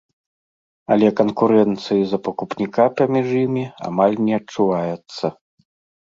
Але канкурэнцыі за пакупніка паміж імі амаль не адчуваецца.